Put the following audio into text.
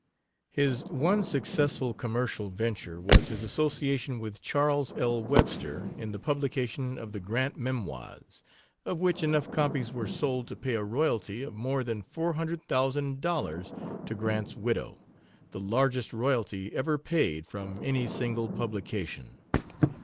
His one successful commercial venture was his association with Charles L. Webster in the publication of the Grant Memoirs, of which enough copies were sold to pay a royalty of more than four hundred thousand dollars to Grant's widow the largest royalty ever paid from any single publication.